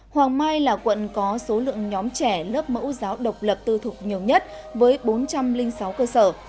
hoàng mai là quận có số lượng nhóm trẻ lớp mẫu giáo độc lập tư thục nhiều nhất với bốn trăm linh sáu cơ sở